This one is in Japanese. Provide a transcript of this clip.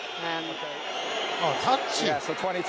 タッチ。